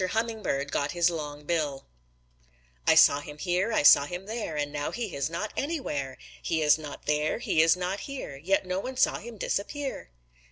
HUMMINGBIRD GOT HIS LONG BILL "I saw him here; I saw him there; And now he is not anywhere! He is not there; he is not here, Yet no one saw him disappear."